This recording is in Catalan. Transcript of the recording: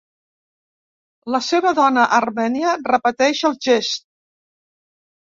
La seva dona armènia repeteix el gest.